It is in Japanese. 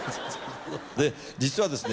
で実はですね